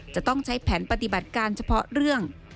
จะต้องใช้แผนปฏิบัติการเฉพาะเรื่อง